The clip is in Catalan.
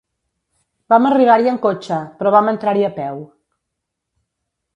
Vam arribar-hi en cotxe, però vam entrar-hi a peu.